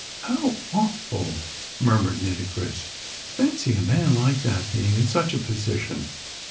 "How awful!" murmured Nitocris. "Fancy a man like that being in such a position!"